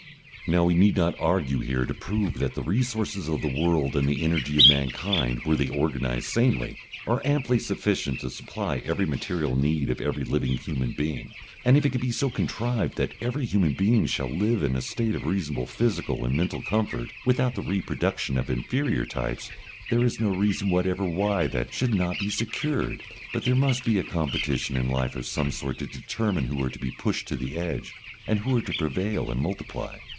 Now we need not argue here to prove that the resources of the world and the energy of mankind, were they organised sanely, are amply sufficient to supply every material need of every living human being. And if it can be so contrived that every human being shall live in a state of reasonable physical and mental comfort, without the reproduction of inferior types, there is no reason whatever why that should not be secured. But there must be a competition in life of some sort to determine who are to be pushed to the edge, and who are to prevail and multiply.